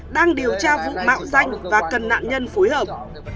đang điều tra vụ mạo danh và cần nạn nhân phối hợp